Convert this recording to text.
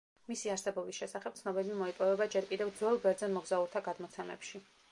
მისი არსებობის შესახებ ცნობები მოიპოვება ჯერ კიდევ ძველ ბერძენ მოგზაურთა გადმოცემებში.